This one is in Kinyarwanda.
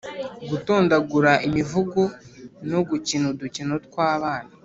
-gutondagura imivugo no gukina udukino tw’abana